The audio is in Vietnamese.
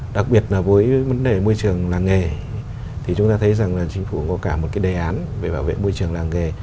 đặc biệt là với vấn đề môi trường làng nghề thì chúng ta thấy rằng là chính phủ có cả một cái đề án về bảo vệ môi trường làng nghề